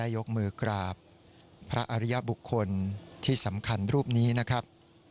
ยกมือกราบพระอริยบุคคลที่สำคัญรูปนี้นะครับ